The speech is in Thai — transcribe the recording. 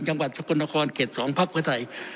จังหวัดสกุลนครเกษตรสองภาคประธัย